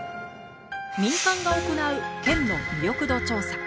民間が行う県の魅力度調査。